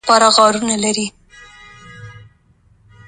د خنزیر غوښه خوړل حرام دي.